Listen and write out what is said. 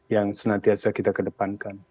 yang senantiasa kita kedepankan